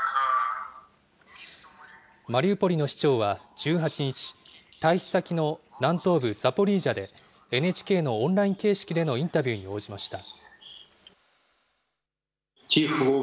マリウポリの市長は１８日、退避先の南東部ザポリージャで、ＮＨＫのオンライン形式でのインタビューに応じました。